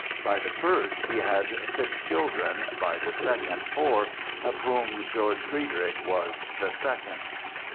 By the first he had six children, by the second four, of whom George Frideric was the second.